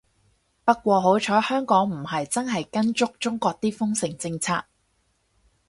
不過好彩香港唔係真係跟足中國啲封城政策